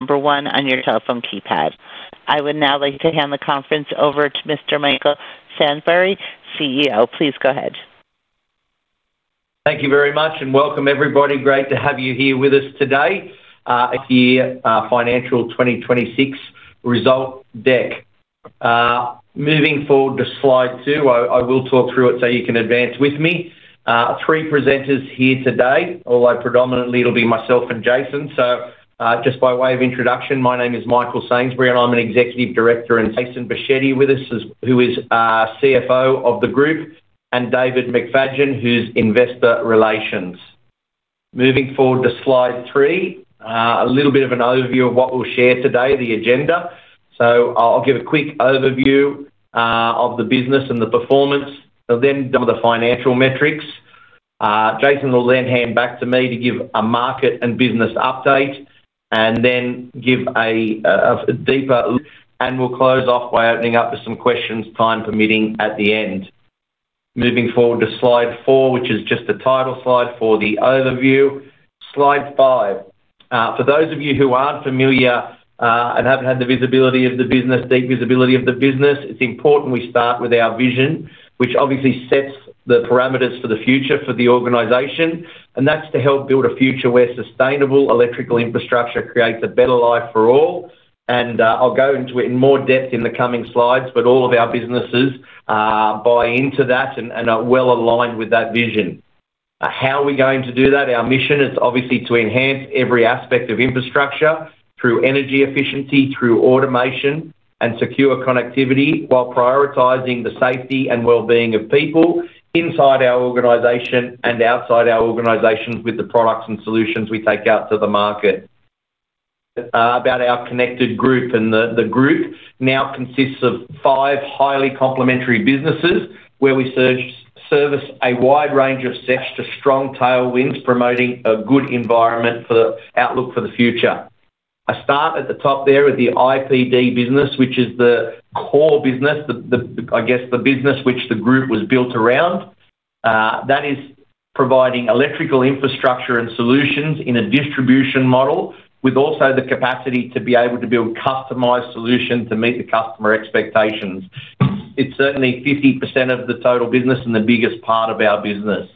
Number one on your telephone keypad. I would now like to hand the conference over to Mr. Michael Sainsbury, CEO. Please go ahead. Thank you very much. Welcome, everybody. Great to have you here with us today, here, FY 2026 result deck. Moving forward to slide 2, I, I will talk through it so you can advance with me. Three presenters here today, although predominantly it'll be myself and Jason. Just by way of introduction, my name is Michael Sainsbury, and I'm an Executive Director, and Jason Boschetti with us, is- who is our CFO of the group, and David McFadyen, who's Investor Relations. Moving forward to slide 3, a little bit of an overview of what we'll share today, the agenda. I'll give a quick overview of the business and the performance, and then some of the financial metrics. Jason will then hand back to me to give a market and business update, and then give a, a deeper-. We'll close off by opening up for some questions, time permitting, at the end. Moving forward to slide four, which is just a title slide for the overview. Slide five. For those of you who aren't familiar, and haven't had the visibility of the business, deep visibility of the business, it's important we start with our vision, which obviously sets the parameters for the future for the organization, and that's to help build a future where sustainable electrical infrastructure creates a better life for all. I'll go into it in more depth in the coming slides, but all of our businesses, buy into that and, and are well aligned with that vision. How are we going to do that? Our mission is obviously to enhance every aspect of infrastructure through energy efficiency, through automation, and secure connectivity, while prioritizing the safety and wellbeing of people inside our organization and outside our organizations with the products and solutions we take out to the market. About our connected group, the group now consists of five highly complementary businesses, where we service a wide range of search to strong tailwinds, promoting a good environment for the outlook for the future. I start at the top there with the IPD business, which is the core business, the business which the group was built around. That is providing electrical infrastructure and solutions in a distribution model, with also the capacity to be able to build customized solutions to meet the customer expectations. It's certainly 50% of the total business and the biggest part of our business.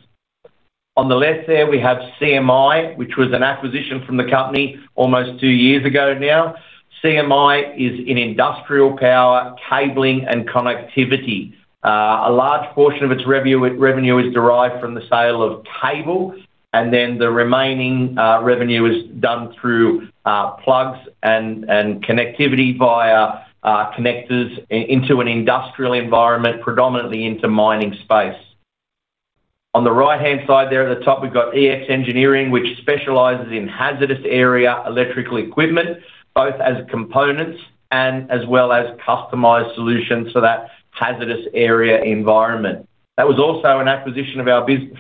On the left there, we have CMI, which was an acquisition from the company almost two years ago now. CMI is in industrial power, cabling, and connectivity. A large portion of its revenue is derived from the sale of cable, and then the remaining revenue is done through plugs and connectivity via connectors into an industrial environment, predominantly into mining space. On the right-hand side there at the top, we've got EX Engineering, which specializes in hazardous area electrical equipment, both as components and as well as customized solutions for that hazardous area environment. That was also an acquisition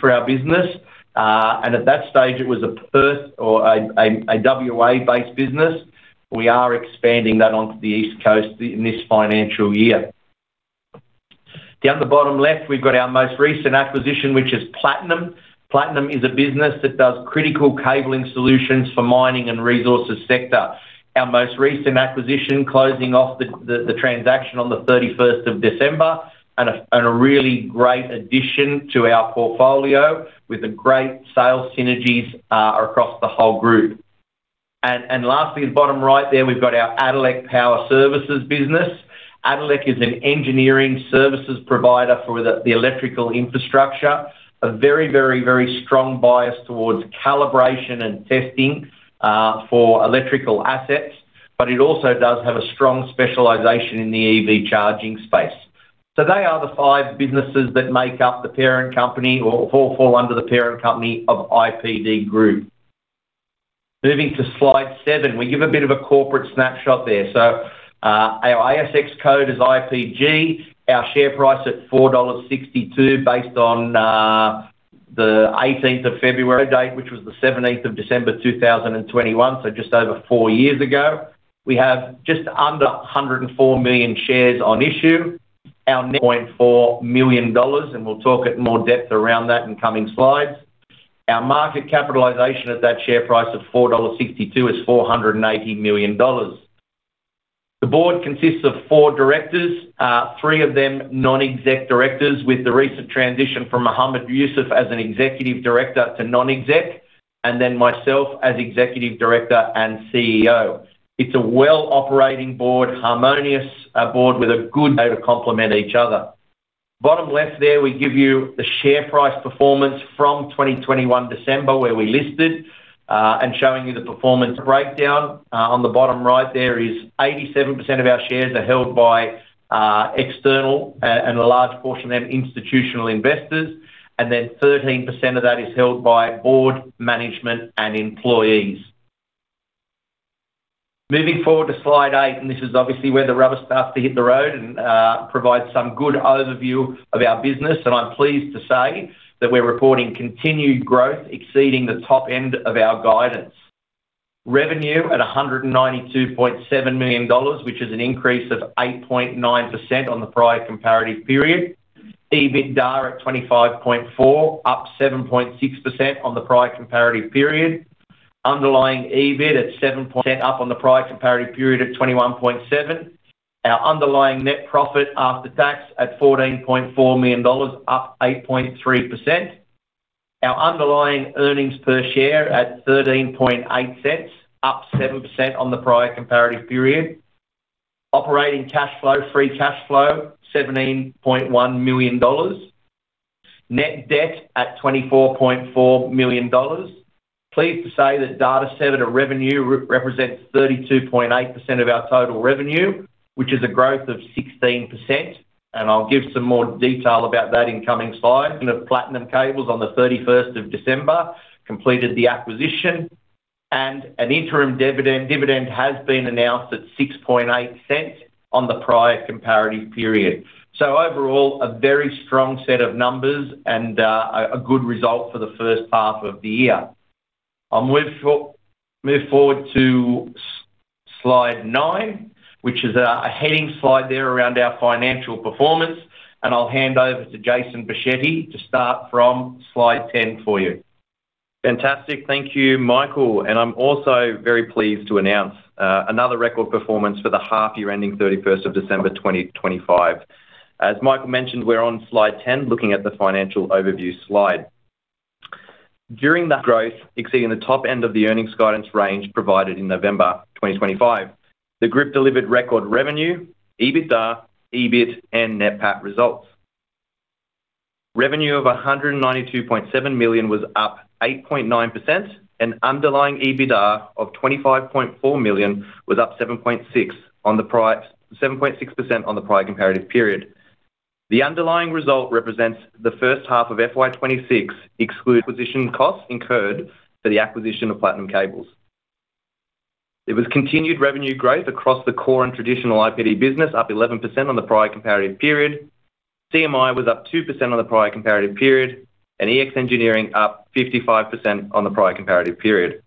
for our business, and at that stage, it was a Perth or a WA-based business. We are expanding that onto the East Coast in this financial year. Down the bottom left, we've got our most recent acquisition, which is Platinum. Platinum is a business that does critical cabling solutions for mining and resources sector. Our most recent acquisition, closing off the transaction on the 31st of December, and a really great addition to our portfolio, with the great sales synergies across the whole group. Lastly, at the bottom right there, we've got our Addelec Power Services business. Addelec is an engineering services provider for the electrical infrastructure. A very, very, very strong bias towards calibration and testing for electrical assets, but it also does have a strong specialization in the EV charging space. They are the five businesses that make up the parent company or fall under the parent company of IPD Group. Moving to slide 7, we give a bit of a corporate snapshot there. Our ASX code is IPG, our share price at 4.62 dollars, based on the 18th of February date, which was the 17th of December 2021, just over 4 years ago. We have just under 104 million shares on issue. Our 0.4 million, we'll talk at more depth around that in coming slides. Our market capitalization at that share price of 4.62 dollars is 480 million dollars. The board consists of 4 Directors, 3 of them, non-Executive Directors, with the recent transition from Mohamed Yoosuff as an Executive Director to non-Executive, and then myself as Executive Director and CEO. It's a well-operating board, harmonious, a board with a good day to complement each other. Bottom left there, we give you the share price performance from 2021, December, where we listed, showing you the performance breakdown. On the bottom right there is 87% of our shares are held by external, and a large portion of them, institutional investors, then 13% of that is held by board, management, and employees. Moving forward to slide 8, this is obviously where the rubber starts to hit the road and provides some good overview of our business. I'm pleased to say that we're reporting continued growth exceeding the top end of our guidance. Revenue at 192.7 million dollars, which is an increase of 8.9% on the prior comparative period. EBITDA at 25.4, up 7.6% on the prior comparative period. Underlying EBIT at 7.0, up on the prior comparative period at 21.7. Our underlying net profit after tax at 14.4 million dollars, up 8.3%. Our underlying earnings per share at 0.138, up 7% on the prior comparative period. Operating cash flow, free cash flow, 17.1 million dollars. Net debt at 24.4 million dollars. Pleased to say that data center revenue represents 32.8% of our total revenue, which is a growth of 16%. I'll give some more detail about that in coming slides. Of Platinum Cables on the 31st of December, completed the acquisition, and an interim dividend has been announced at 0.068 on the prior comparative period. Overall, a very strong set of numbers and a good result for the first half of the year. Move forward to slide 9, which is a heading slide there around our financial performance, and I will hand over to Jason Boschetti to start from slide 10 for you. Fantastic. Thank you, Michael. I'm also very pleased to announce another record performance for the half year ending 31st of December 2025. As Michael mentioned, we're on slide 10, looking at the financial overview slide. During the growth, exceeding the top end of the earnings guidance range provided in November 2025, the group delivered record revenue, EBITDA, EBIT, and net PAT results. Revenue of 192.7 million was up 8.9%, underlying EBITDA of 25.4 million was up 7.6% on the prior comparative period. The underlying result represents the first half of FY 2026, exclude position costs incurred for the acquisition of Platinum Cables. It was continued revenue growth across the core and traditional IPD business, up 11% on the prior comparative period. CMI was up 2% on the prior comparative period, and EX Engineering up 55% on the prior comparative period.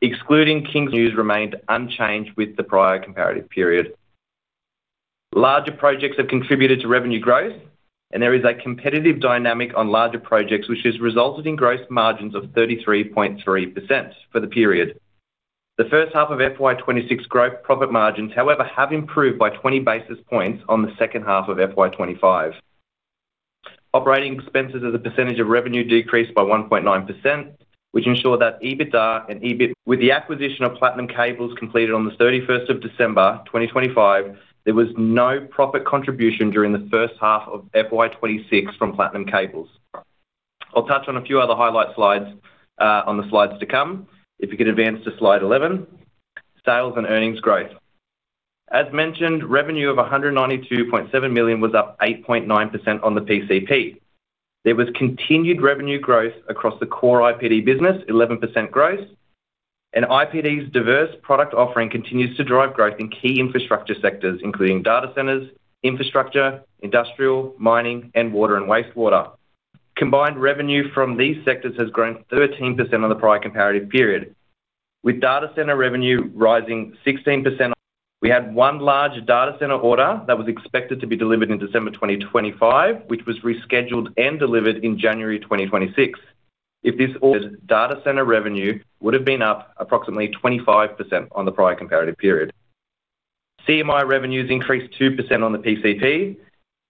Excluding Kings News remained unchanged with the prior comparative period. Larger projects have contributed to revenue growth, and there is a competitive dynamic on larger projects, which has resulted in gross margins of 33.3% for the period. The first half of FY 2026 growth profit margins, however, have improved by 20 basis points on the second half of FY 2025. Operating expenses as a percentage of revenue decreased by 1.9%, which ensured that EBITDA and EBIT. With the acquisition of Platinum Cables completed on the 31st of December 2025, there was no profit contribution during the first half of FY 2026 from Platinum Cables. I'll touch on a few other highlight slides on the slides to come. If you could advance to Slide 11, Sales and Earnings Growth. As mentioned, revenue of 192.7 million was up 8.9% on the PCP. There was continued revenue growth across the core IPD business, 11% growth, IPD's diverse product offering continues to drive growth in key infrastructure sectors, including data centers, infrastructure, industrial, mining, and water and wastewater. Combined revenue from these sectors has grown 13% on the prior comparative period, with data center revenue rising 16%. We had 1 large data center order that was expected to be delivered in December 2025, which was rescheduled and delivered in January 2026. If this order, data center revenue would have been up approximately 25% on the prior comparative period. CMI revenues increased 2% on the PCP.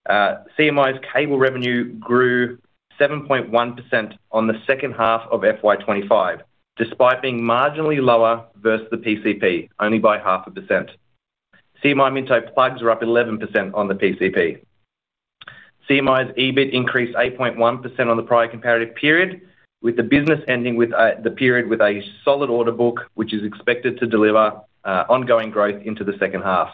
CMI's cable revenue grew 7.1% on the second half of FY 2025, despite being marginally lower versus the PCP, only by 0.5%. CMI Minto plugs are up 11% on the PCP. CMI's EBIT increased 8.1% on the prior comparative period, with the business ending with the period with a solid order book, which is expected to deliver ongoing growth into the second half.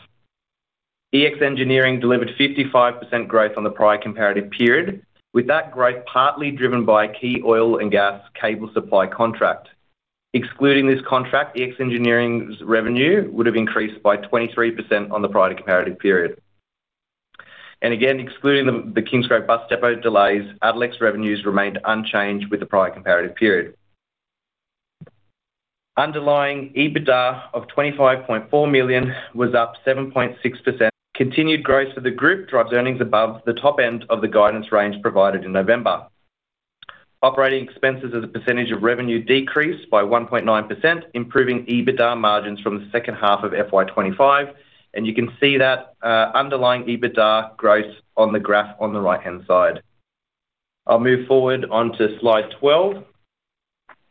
EX Engineering delivered 55% growth on the prior comparative period, with that growth partly driven by key oil and gas cable supply contract. Excluding this contract, EX Engineering's revenue would have increased by 23% on the prior comparative period. Again, excluding the Kingsgrove bus depot delays, Addelec's revenues remained unchanged with the prior comparative period. Underlying EBITDA of 25.4 million was up 7.6%. Continued growth for the group drives earnings above the top end of the guidance range provided in November. Operating expenses as a percentage of revenue decreased by 1.9%, improving EBITDA margins from the second half of FY 2025, and you can see that underlying EBITDA growth on the graph on the right-hand side. I'll move forward onto slide 12,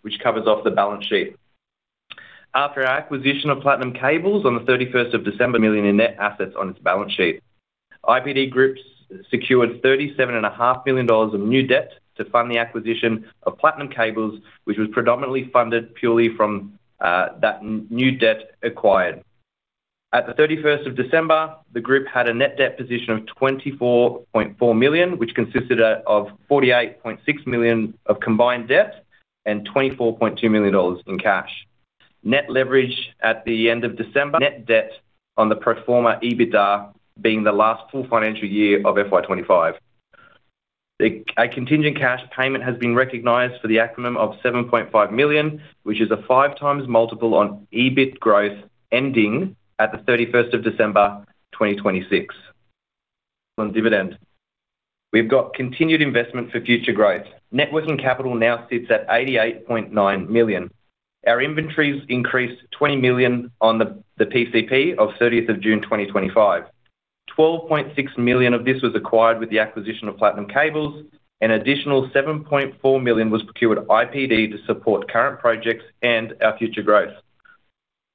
which covers off the balance sheet. After our acquisition of Platinum Cables on the 31st of December, million in net assets on its balance sheet. IPD Group secured 37.5 million dollars of new debt to fund the acquisition of Platinum Cables, which was predominantly funded purely from that new debt acquired. At the 31st of December, the group had a net debt position of 24.4 million, which consisted of 48.6 million of combined debt and 24.2 million dollars in cash. Net leverage at the end of December, net debt on the pro forma EBITDA being the last full financial year of FY 2025. A contingent cash payment has been recognized for the acronym of 7.5 million, which is a 5x multiple on EBIT growth, ending at the 31st of December, 2026. On dividend, we've got continued investment for future growth. Net working capital now sits at 88.9 million. Our inventories increased 20 million on the PCP of 30th of June, 2025. 12.6 million of this was acquired with the acquisition of Platinum Cables. Additional 7.4 million was procured by IPD to support current projects and our future growth.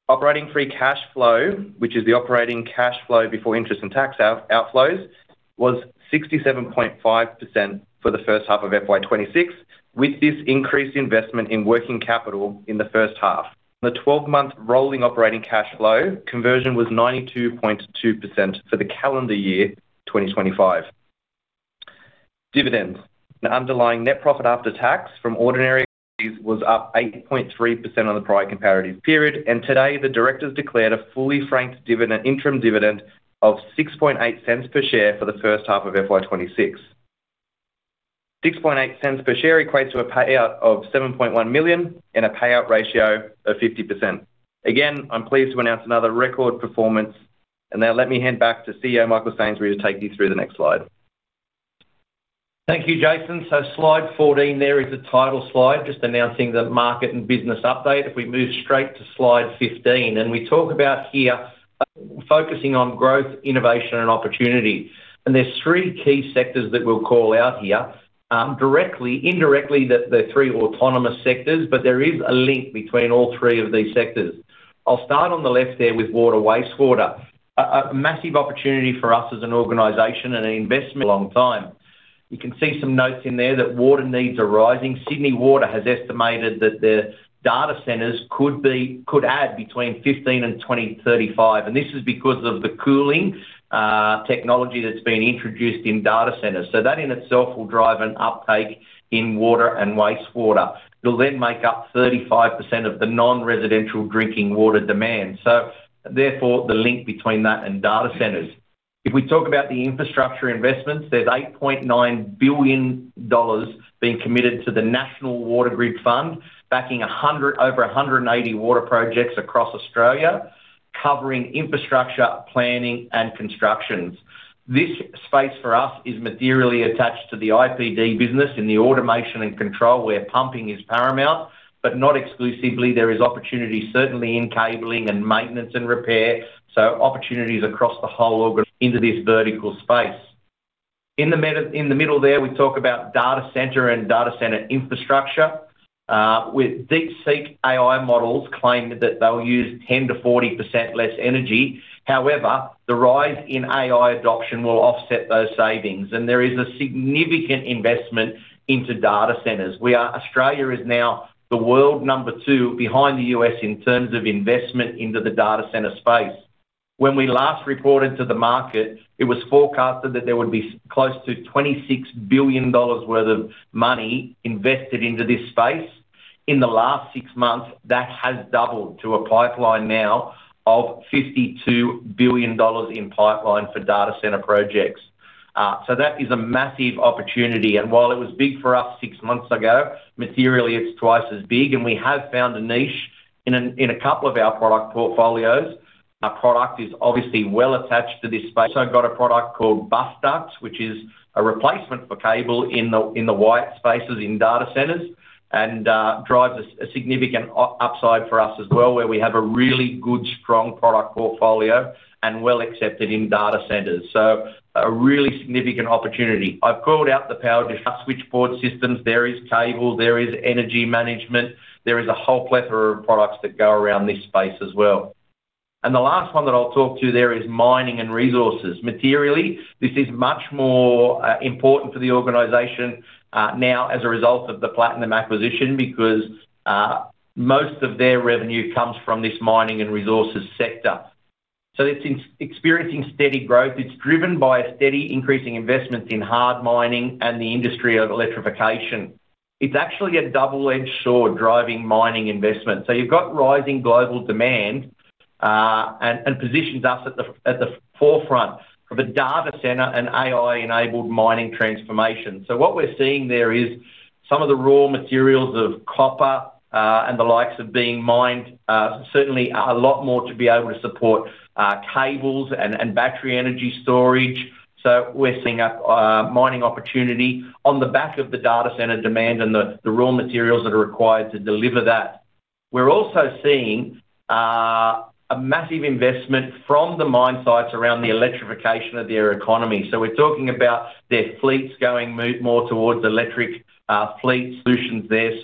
Operating free cash flow, which is the operating cash flow before interest and tax outflows, was 67.5% for the first half of FY 2026, with this increased investment in working capital in the first half. The 12-month rolling operating cash flow conversion was 92.2% for the calendar year 2025. Dividends. The underlying net profit after tax from ordinary was up 8.3% on the prior comparative period, and today the directors declared a fully franked dividend, interim dividend of 0.068 per share for the first half of FY 2026. 0.068 per share equates to a payout of 7.1 million and a payout ratio of 50%. Again, I'm pleased to announce another record performance. Now let me hand back to CEO, Michael Sainsbury, to take you through the next slide. Thank you, Jason. Slide 14, there is a title slide just announcing the market and business update. We move straight to slide 15, and we talk about here, focusing on growth, innovation, and opportunity. There's 3 key sectors that we'll call out here, directly, indirectly, the, the 3 autonomous sectors, but there is a link between all 3 of these sectors. I'll start on the left there with water wastewater. A, a, massive opportunity for us as an organization and an investment for a long time. You can see some notes in there that water needs are rising. Sydney Water has estimated that their data centers could add between 15 and 2035, and this is because of the cooling, technology that's been introduced in data centers. That in itself will drive an uptake in water and wastewater. It'll make up 35% of the non-residential drinking water demand, so therefore, the link between that and data centers. If we talk about the infrastructure investments, there's 8.9 billion dollars being committed to the National Water Grid Fund, backing over 180 water projects across Australia, covering infrastructure, planning, and constructions. This space for us is materially attached to the IPD business in the automation and control, where pumping is paramount, but not exclusively. There is opportunity, certainly in cabling and maintenance and repair, so opportunities across the whole into this vertical space. In the middle there, we talk about data center and data center infrastructure. With DeepSeek AI models claim that they'll use 10%-40% less energy. However, the rise in AI adoption will offset those savings, and there is a significant investment into data centers. Australia is now the world number two behind the US in terms of investment into the data center space. When we last reported to the market, it was forecasted that there would be close to 26 billion dollars worth of money invested into this space. In the last six months, that has doubled to a pipeline now of 52 billion dollars in pipeline for data center projects. That is a massive opportunity, and while it was big for us six months ago, materially, it's twice as big, and we have found a niche in a, in a couple of our product portfolios. Our product is obviously well attached to this space. I've got a product called Bus Ducts, which is a replacement for cable in the, in the white spaces in data centers and drives a significant upside for us as well, where we have a really good, strong product portfolio and well accepted in data centers. A really significant opportunity. I've called out the power switchboard systems. There is cable, there is energy management, there is a whole plethora of products that go around this space as well. The last one that I'll talk to you there is mining and resources. Materially, this is much more important for the organization now as a result of the Platinum acquisition, because most of their revenue comes from this mining and resources sector. It's experiencing steady growth. It's driven by a steady increasing investment in hard mining and the industry of electrification. It's actually a double-edged sword, driving mining investment. You've got rising global demand, and positions us at the forefront of a data center and AI-enabled mining transformation. What we're seeing there is some of the raw materials of copper, and the likes of being mined, certainly a lot more to be able to support cables and battery energy storage. We're seeing a mining opportunity on the back of the data center demand and the raw materials that are required to deliver that. We're also seeing a massive investment from the mine sites around the electrification of their economy. We're talking about their fleets going more towards electric fleet solutions there.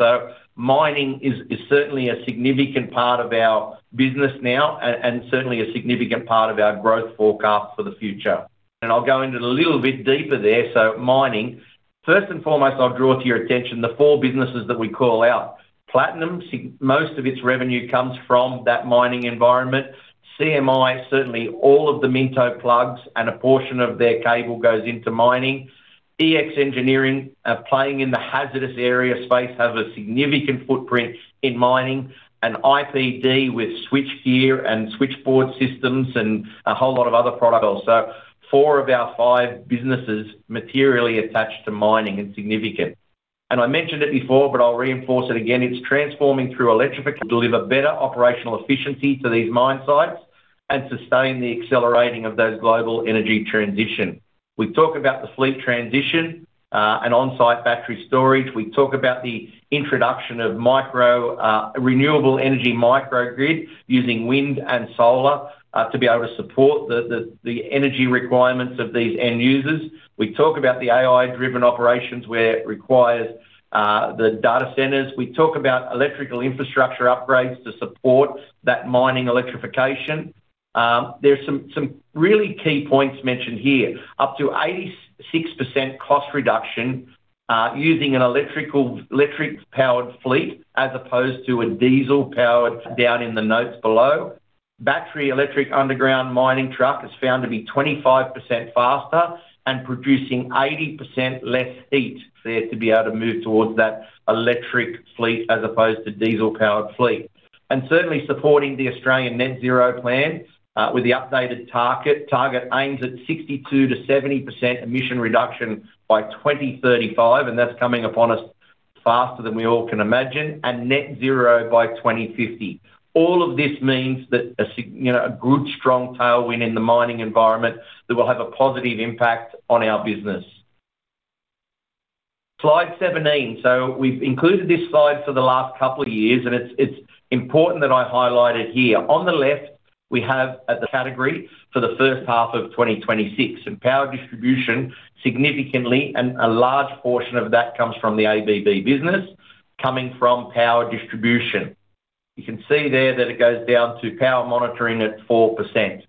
Mining is, is certainly a significant part of our business now and, and certainly a significant part of our growth forecast for the future. I'll go into it a little bit deeper there. Mining, first and foremost, I'll draw to your attention the four businesses that we call out. Platinum, most of its revenue comes from that mining environment. CMI, certainly all of the Minto plugs and a portion of their cable goes into mining. EX Engineering, playing in the hazardous area space, has a significant footprint in mining. IPD with switchgear and switchboard systems and a whole lot of other products. Four of our five businesses materially attached to mining and significant. I mentioned it before, but I'll reinforce it again. It's transforming through electrification to deliver better operational efficiency to these mine sites and sustain the accelerating of those global energy transition. We talk about the fleet transition and on-site battery storage. We talk about the introduction of micro renewable energy microgrid using wind and solar to be able to support the energy requirements of these end users. We talk about the AI-driven operations, where it requires the data centers. We talk about electrical infrastructure upgrades to support that mining electrification. There's some really key points mentioned here. Up to 86% cost reduction using an electric-powered fleet as opposed to a diesel-powered, down in the notes below. Battery electric underground mining truck is found to be 25% faster and producing 80% less heat for it to be able to move towards that electric fleet as opposed to diesel-powered fleet. Certainly supporting the Australian Net Zero Plan with the updated target. Target aims at 62%-70% emission reduction by 2035, and that's coming upon us faster than we all can imagine, and net zero by 2050. All of this means that a, you know, a good, strong tailwind in the mining environment that will have a positive impact on our business. Slide 17. We've included this slide for the last couple of years, and it's, it's important that I highlight it here. On the left, we have at the category for the first half of 2026, and power distribution, significantly, and a large portion of that comes from the ABB business, coming from power distribution. You can see there that it goes down to power monitoring at 4%.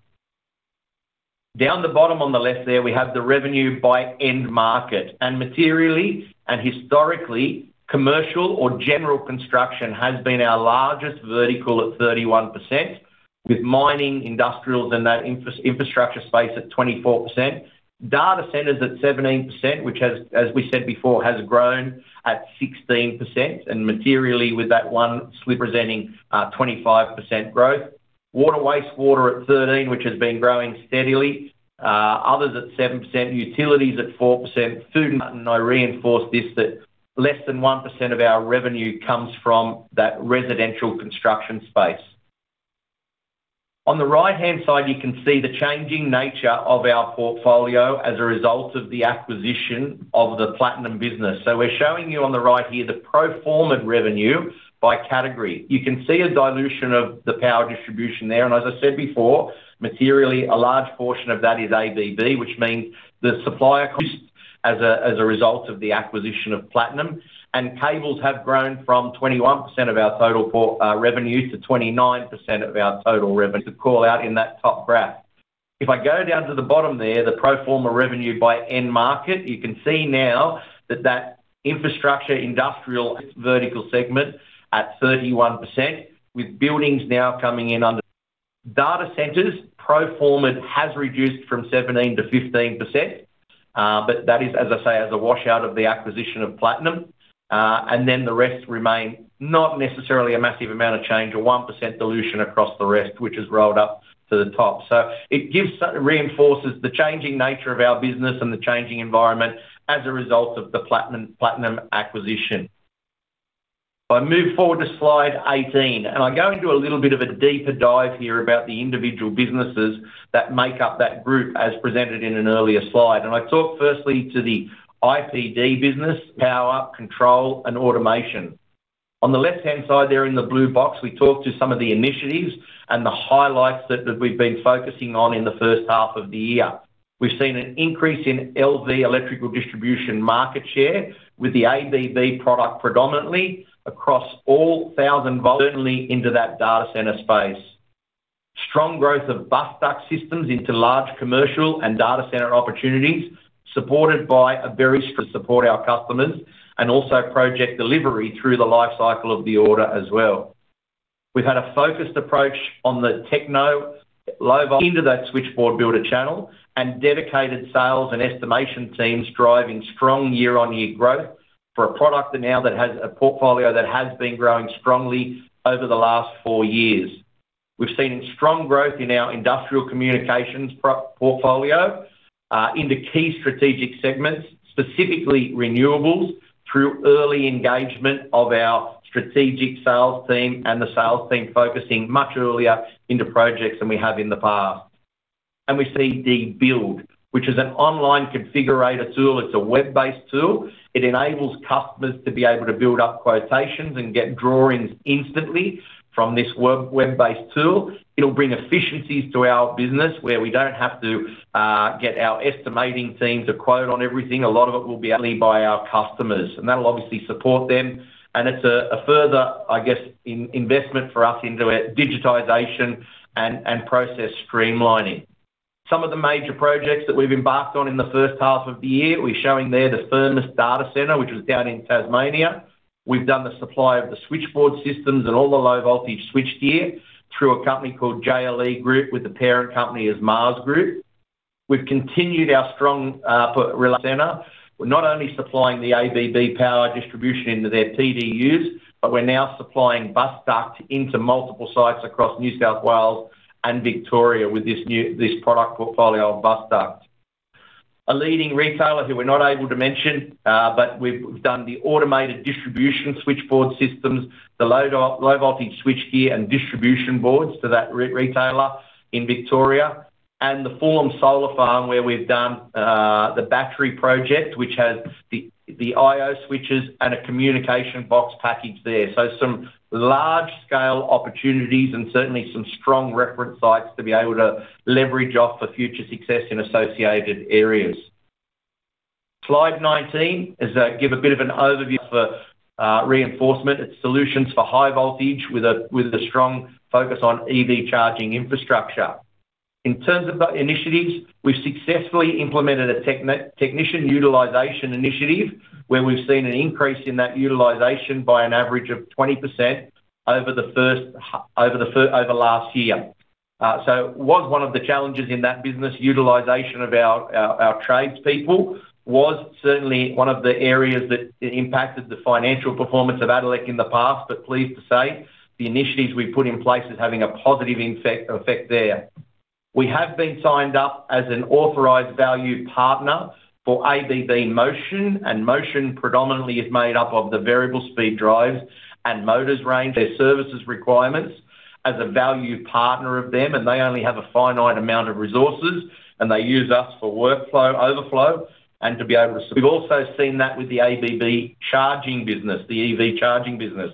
Down the bottom on the left there, we have the revenue by end market, and materially and historically, commercial or general construction has been our largest vertical at 31%, with mining, industrials, and that infrastructure space at 24%. Data centers at 17%, which has, as we said before, has grown at 16% and materially with that one representing 25% growth. Water, wastewater at 13%, which has been growing steadily. Others at 7%, utilities at 4%. Food, I reinforce this, that less than 1% of our revenue comes from that residential construction space. On the right-hand side, you can see the changing nature of our portfolio as a result of the acquisition of the Platinum business. We're showing you on the right here the pro forma revenue by category. You can see a dilution of the power distribution there, as I said before, materially, a large portion of that is ABB, which means the supplier cost as a result of the acquisition of Platinum, and cables have grown from 21% of our total revenue to 29% of our total revenue to call out in that top graph. If I go down to the bottom there, the pro forma revenue by end market, you can see now that that infrastructure, industrial, vertical segment at 31%, with buildings now coming in under. Data centers, pro forma, has reduced from 17% to 15%. That is, as I say, as a washout of the acquisition of Platinum. The rest remain not necessarily a massive amount of change, a 1% dilution across the rest, which is rolled up to the top. It gives, reinforces the changing nature of our business and the changing environment as a result of the Platinum, Platinum acquisition. If I move forward to slide 18, and I go into a little bit of a deeper dive here about the individual businesses that make up that group as presented in an earlier slide. I talk firstly to the IPD business, Power, Control, and Automation. On the left-hand side there in the blue box, we talk to some of the initiatives and the highlights that we've been focusing on in the first half of the year. We've seen an increase in LV electrical distribution market share with the ABB product predominantly across all thousand voltage, certainly into that data center space. Strong growth of Bus Duct systems into large commercial and data center opportunities, supported by a very strong support our customers, and also project delivery through the life cycle of the order as well. We've had a focused approach on the techno low vol- into that switchboard builder channel and dedicated sales and estimation teams driving strong year-on-year growth for a product now that has a portfolio that has been growing strongly over the last four years. We've seen strong growth in our industrial communications portfolio into key strategic segments, specifically renewables, through early engagement of our strategic sales team and the sales team focusing much earlier into projects than we have in the past. We see the Build, which is an online configurator tool. It's a web-based tool. It enables customers to be able to build up quotations and get drawings instantly from this web-based tool. It'll bring efficiencies to our business where we don't have to get our estimating teams a quote on everything. A lot of it will be owned by our customers, and that'll obviously support them, and it's a further, I guess, investment for us into digitization and process streamlining. Some of the major projects that we've embarked on in the first half of the year, we're showing there the Firmus Data Center, which was down in Tasmania. We've done the supply of the switchboard systems and all the low-voltage switchgear through a company called JLE Group, with the parent company as Mars Group. We've continued our strong put data center. We're not only supplying the ABB power distribution into their TDUs, but we're now supplying Bus Duct into multiple sites across New South Wales and Victoria with this product portfolio of Bus Duct. a leading retailer who we're not able to mention, but we've, we've done the automated distribution switchboard systems, the low voltage switchgear and distribution boards to that retailer in Victoria, and the Fulham Solar Farm, where we've done the battery project, which has the IO switches and a communication box package there. Some large-scale opportunities and certainly some strong reference sites to be able to leverage off for future success in associated areas. Slide 19 is give a bit of an overview for reinforcement. It's solutions for high voltage with a, with a strong focus on EV charging infrastructure. In terms of the initiatives, we've successfully implemented a technician utilization initiative, where we've seen an increase in that utilization by an average of 20% over last year. Was one of the challenges in that business, utilization of our, our, our tradespeople was certainly one of the areas that impacted the financial performance of Addelec in the past. Pleased to say, the initiatives we've put in place is having a positive effect, effect there. We have been signed up as an authorized value partner for ABB Motion. Motion predominantly is made up of the variable speed drives and motors range, their services requirements as a value partner of them. They only have a finite amount of resources, and they use us for workflow overflow and to be able to. We've also seen that with the ABB charging business, the EV charging business.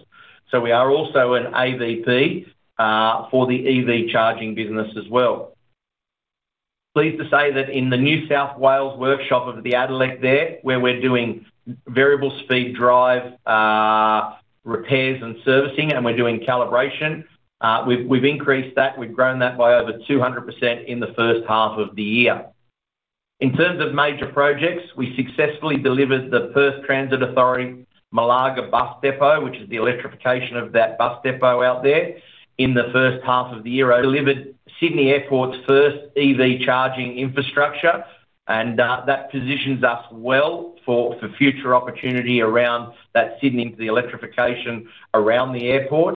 We are also an AVP for the EV charging business as well. Pleased to say that in the New South Wales workshop of the Addelec there, where we're doing variable speed drive, repairs and servicing, and we're doing calibration, we've, we've increased that. We've grown that by over 200% in the first half of the year. In terms of major projects, we successfully delivered the first transit authority, Malaga Bus Depot, which is the electrification of that bus depot out there in the first half of the year. Delivered Sydney Airport's first EV charging infrastructure. That positions us well for, for future opportunity around that Sydney, the electrification around the airport.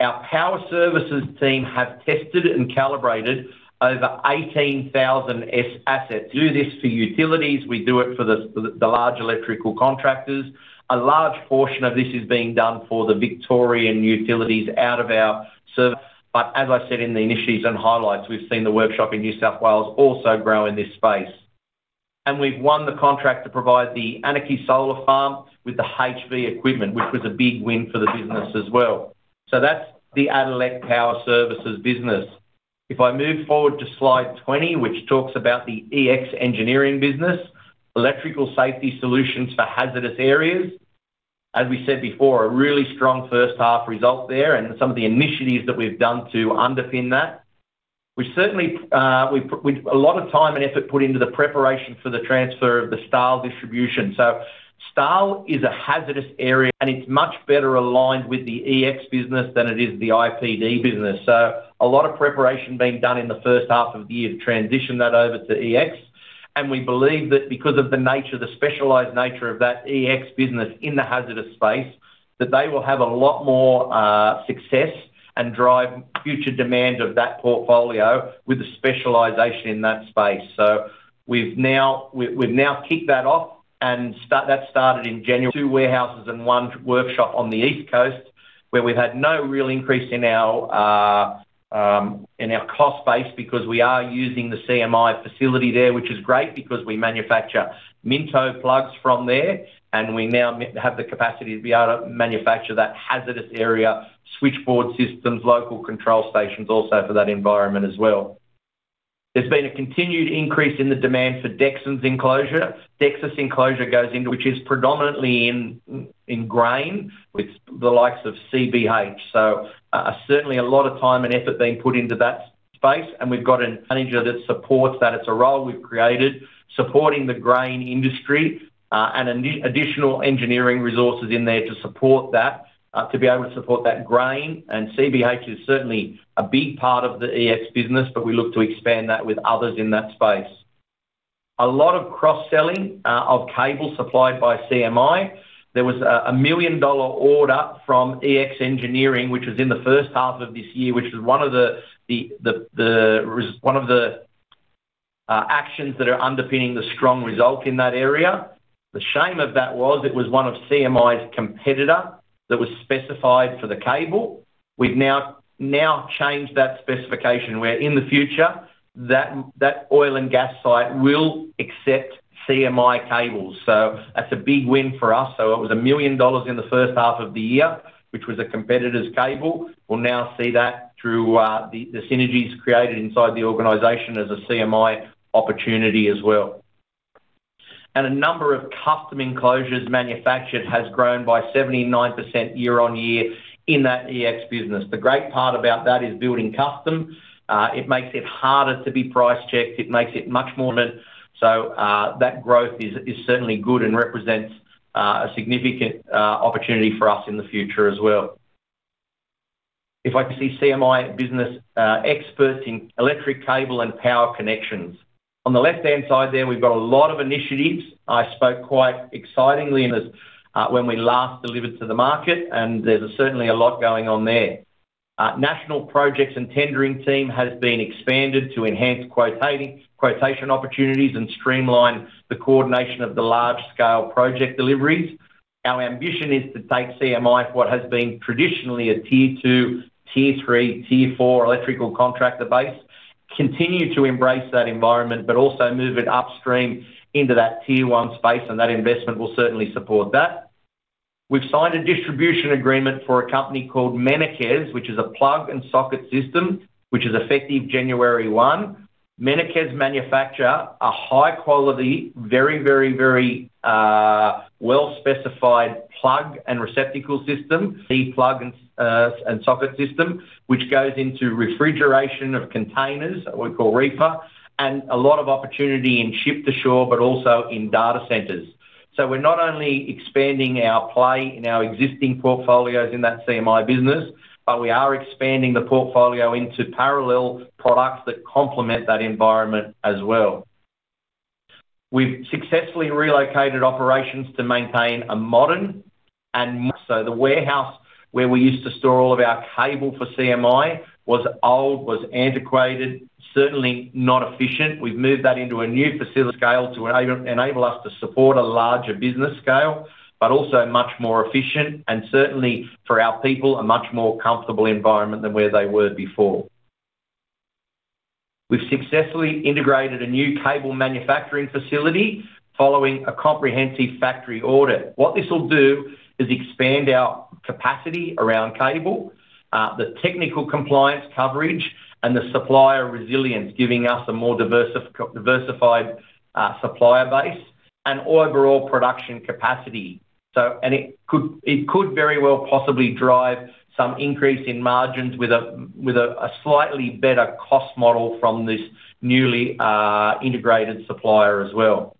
Our power services team have tested and calibrated over 18,000 SWA assets. Do this for utilities, we do it for the, the large electrical contractors. A large portion of this is being done for the Victorian utilities out of our. As I said in the initiatives and highlights, we've seen the workshop in New South Wales also grow in this space. We've won the contract to provide the Anakie Solar Farm with the HV equipment, which was a big win for the business as well. That's the Addelec Power Services business. If I move forward to slide 20, which talks about the EX Engineering business, electrical safety solutions for hazardous areas. As we said before, a really strong first half result there, and some of the initiatives that we've done to underpin that. We certainly, we've a lot of time and effort put into the preparation for the transfer of the Stahl distribution. Stahl is a hazardous area, and it's much better aligned with the EX business than it is the IPD business. A lot of preparation being done in the first half of the year to transition that over to EX. We believe that because of the nature, the specialized nature of that EX business in the hazardous space, that they will have a lot more success and drive future demand of that portfolio with a specialization in that space. We've now, we've, we've now kicked that off, that started in January. Two warehouses and one workshop on the East Coast, where we've had no real increase in our in our cost base because we are using the CMI facility there, which is great because we manufacture Minto plugs from there, and we now have the capacity to be able to manufacture that hazardous area, switchboard systems, local control stations, also for that environment as well. There's been a continued increase in the demand for Dexon's enclosure. Dexon's enclosure goes into, which is predominantly in, in grain with the likes of CBH. Certainly a lot of time and effort being put into that space, and we've got a manager that supports that. It's a role we've created, supporting the grain industry, and additional engineering resources in there to support that, to be able to support that grain. CBH is certainly a big part of the EX business, but we look to expand that with others in that space. A lot of cross-selling of cable supplied by CMI. There was an 1 million dollar order from EX Engineering, which was in the first half of this year, which is one of the, the, the, the res- one of the actions that are underpinning the strong result in that area. The shame of that was, it was one of CMI's competitor that was specified for the cable. We've now changed that specification, where in the future, that oil and gas site will accept CMI cables. That's a big win for us. It was 1 million dollars in the first half of the year, which was a competitor's cable. We'll now see that through the synergies created inside the organization as a CMI opportunity as well. A number of custom enclosures manufactured has grown by 79% year-over-year in that EX business. The great part about that is building custom. It makes it harder to be price-checked. It makes it much more minute. That growth is certainly good and represents a significant opportunity for us in the future as well. If I can see CMI business, experts in electric cable and power connections. On the left-hand side there, we've got a lot of initiatives. I spoke quite excitingly in this when we last delivered to the market, and there's certainly a lot going on there. National projects and tendering team has been expanded to enhance quotation opportunities and streamline the coordination of the large-scale project deliveries. Our ambition is to take CMI from what has been traditionally a tier 2, tier 3, tier 4 electrical contractor base, continue to embrace that environment, but also move it upstream into that tier 1 space, and that investment will certainly support that. We've signed a distribution agreement for a company called Mennekes, which is a plug-and-socket system, which is effective January 1. Mennekes manufacture a high quality, very, very, very, well-specified plug and receptacle system, C plug and socket system, which goes into refrigeration of containers, what we call reefer, and a lot of opportunity in ship-to-shore, but also in data centers. We're not only expanding our play in our existing portfolios in that CMI business, but we are expanding the portfolio into parallel products that complement that environment as well. We've successfully relocated operations to maintain a modern. The warehouse where we used to store all of our cable for CMI was old, was antiquated, certainly not efficient. We've moved that into a new facility scale to enable us to support a larger business scale, but also much more efficient and certainly for our people, a much more comfortable environment than where they were before. We've successfully integrated a new cable manufacturing facility following a comprehensive factory audit. What this will do is expand our capacity around cable, the technical compliance coverage and the supplier resilience, giving us a more diversified supplier base and overall production capacity. And it could, it could very well possibly drive some increase in margins with a, with a, a slightly better cost model from this newly integrated supplier as well.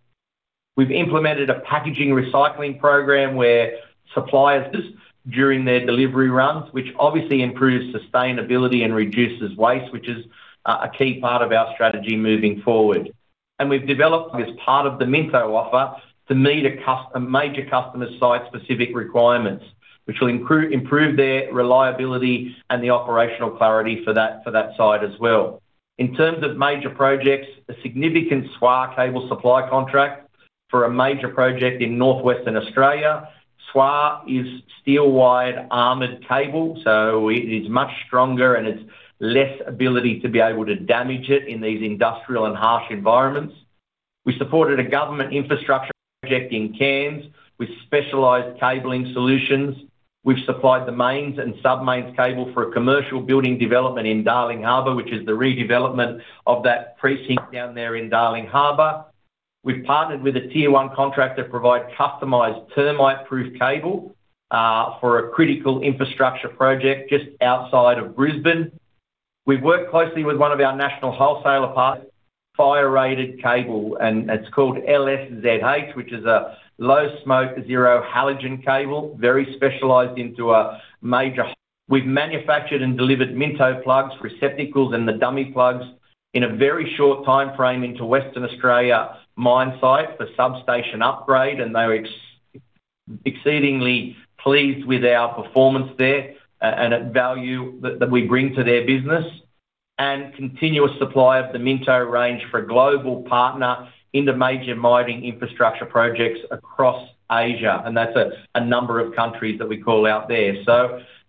We've implemented a packaging recycling program where suppliers... During their delivery runs, which obviously improves sustainability and reduces waste, which is a key part of our strategy moving forward. We've developed as part of the Minto offer to meet a major customer's site-specific requirements, which will improve, improve their reliability and the operational clarity for that, for that site as well. In terms of major projects, a significant SWA cable supply contract for a major project in northwestern Australia. SWA is steel wire armored cable, so it is much stronger and it's less ability to be able to damage it in these industrial and harsh environments. We supported a government infrastructure project in Cairns with specialized cabling solutions. We've supplied the mains and sub-mains cable for a commercial building development in Darling Harbour, which is the redevelopment of that precinct down there in Darling Harbour. We've partnered with a tier 1 contractor to provide customized termite-proof cable for a critical infrastructure project just outside of Brisbane. We've worked closely with one of our national wholesaler partners, fire-rated cable, and it's called LSZH, which is a low smoke, zero halogen cable, very specialized into a major... We've manufactured and delivered Minto plugs, receptacles, and the dummy plugs in a very short timeframe into Western Australia mine site for substation upgrade, and they're exceedingly pleased with our performance there and at value that, that we bring to their business, continuous supply of the Minto range for a global partner in the major mining infrastructure projects across Asia. That's a number of countries that we call out there.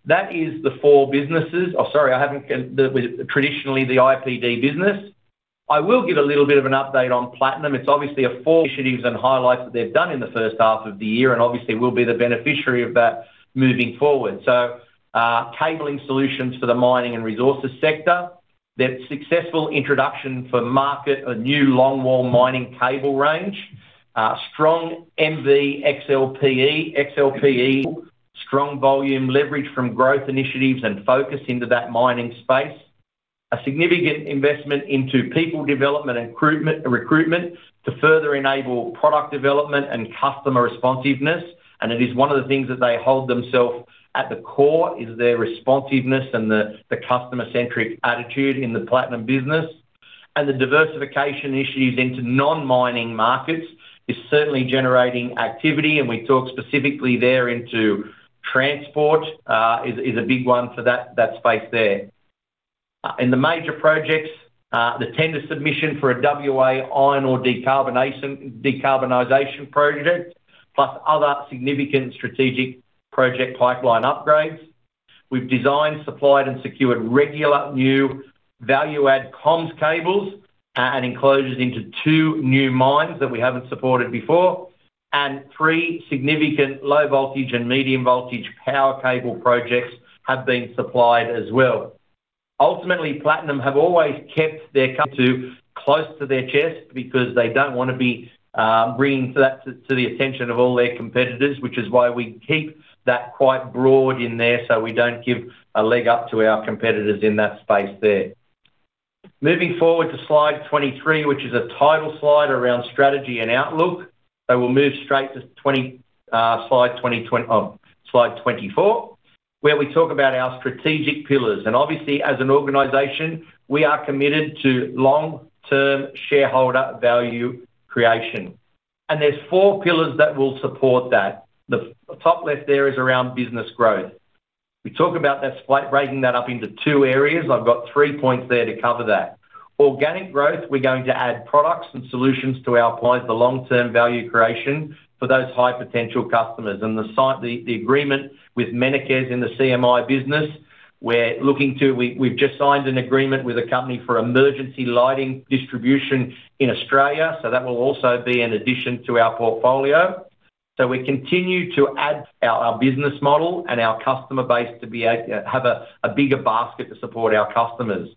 That is the four businesses. Oh, sorry, I haven't traditionally, the IPD business. I will give a little bit of an update on Platinum. It's obviously a four initiatives and highlights that they've done in the first half of the year, obviously, we'll be the beneficiary of that moving forward. Cabling solutions for the mining and resources sector. Their successful introduction for market, a new longwall mining cable range, strong MVXLPE, XLPE, strong volume leverage from growth initiatives and focus into that mining space. A significant investment into people development and recruitment, recruitment to further enable product development and customer responsiveness. It is one of the things that they hold themselves at the core, is their responsiveness and the customer-centric attitude in the Platinum business. The diversification issues into non-mining markets is certainly generating activity, and we talk specifically there into transport, is a big one for that space there. In the major projects, the tender submission for a WA iron ore decarbonation, decarbonization project, plus other significant strategic project pipeline upgrades. We've designed, supplied, and secured regular new value-add comms cables and enclosures into 2 new mines that we haven't supported before, and 3 significant low voltage and medium voltage power cable projects have been supplied as well. Ultimately, Platinum have always kept their close to their chest because they don't want to be bringing that to the attention of all their competitors, which is why we keep that quite broad in there, so we don't give a leg up to our competitors in that space there. Moving forward to slide 23, which is a title slide around strategy and outlook. We'll move straight to slide 24, where we talk about our strategic pillars. Obviously, as an organization, we are committed to long-term shareholder value creation. There's 4 pillars that will support that. The top left there is around business growth. We talk about that slight, breaking that up into 2 areas. I've got 3 points there to cover that. Organic growth, we're going to add products and solutions to our clients, the long-term value creation for those high-potential customers. The agreement with MENNEKES in the CMI business, we've just signed an agreement with a company for emergency lighting distribution in Australia, so that will also be an addition to our portfolio. We continue to add our, our business model and our customer base to be a, have a, a bigger basket to support our customers.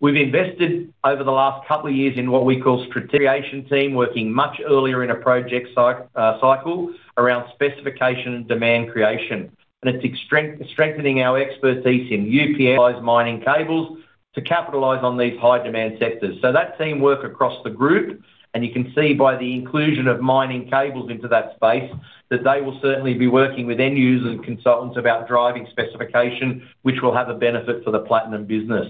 We've invested over the last two years in what we call strategic creation team, working much earlier in a project cycle around specification and demand creation. It's strengthening our expertise in UPS mining cables to capitalize on these high demand sectors. That team work across the group, and you can see by the inclusion of mining cables into that space, that they will certainly be working with end users and consultants about driving specification, which will have a benefit for the Platinum business.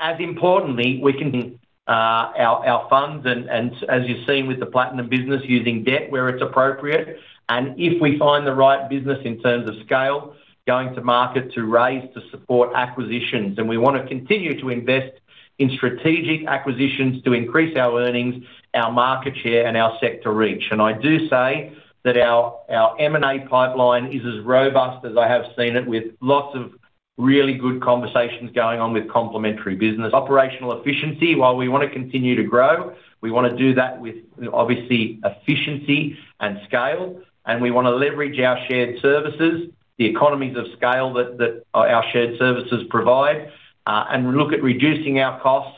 As importantly, we can, our, our funds and, and as you've seen with the Platinum business, using debt where it's appropriate, and if we find the right business in terms of scale, going to market to raise to support acquisitions. We wanna continue to invest in strategic acquisitions to increase our earnings, our market share, and our sector reach. I do say that our, our M&A pipeline is as robust as I have seen it, with lots of really good conversations going on with complementary business. Operational efficiency, while we wanna continue to grow, we wanna do that with obviously, efficiency and scale, and we wanna leverage our shared services, the economies of scale that, that our shared services provide, and look at reducing our costs